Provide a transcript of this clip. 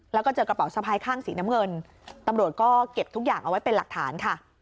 แล้วก็เจอกระเป๋าสะพายข้างสีน้ำเงินตำรวจก็เก็บทุกอย่างเอาไว้เป็นหลักฐานค่ะ